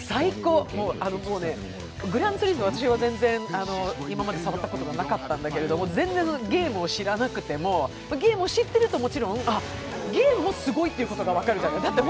「グランツーリスモ」、私は今まで全然触ったことがなかったんだけど、全然ゲームを知らなくてもゲームを知っててもゲームもすごいということが分かるじゃない、だって